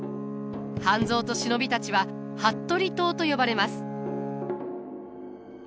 半蔵と忍びたちは服部党と呼ばれます。